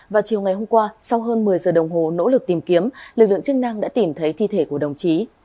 và chiều ngày hôm qua sau hơn một mươi giờ đồng hồ nỗ lực tìm kiếm lực lượng chức năng đã tìm thấy thi thể của đồng chí